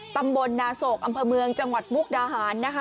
ตำบลนาโศกอำเภอเมืองจังหวัดมุกดาหารนะคะ